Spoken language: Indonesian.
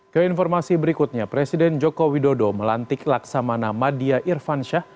keinformasi berikutnya presiden joko widodo melantik laksamana madia irfansyah